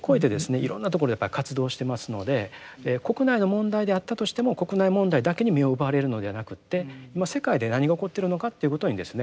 いろんなところで活動してますので国内の問題であったとしても国内問題だけに目を奪われるのではなくて今世界で何が起こっているのかということにですね